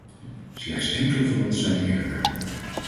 Slechts enkelen van ons zijn eerlijker.